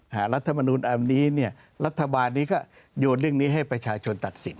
รัฐมนุนอันนี้เนี่ยรัฐบาลนี้ก็โยนเรื่องนี้ให้ประชาชนตัดสิน